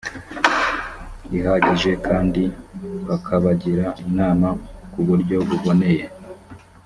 ihagije kandi bakabagira inama ku buryo buboneye